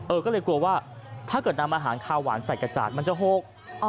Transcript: ก็เลยกลัวว่าถ้าเกิดนำอาหารคาวหวานใส่กระจาดมันจะหก